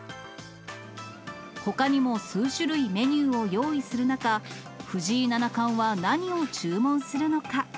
ほかにも数種類メニューを用意する中、藤井七冠は何を注文するのか。